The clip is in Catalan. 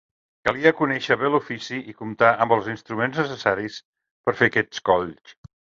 Calia conèixer bé l'ofici i comptar amb els instruments necessaris per fer aquests colls.